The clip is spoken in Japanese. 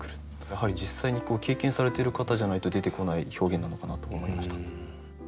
やはり実際に経験されている方じゃないと出てこない表現なのかなと思いました。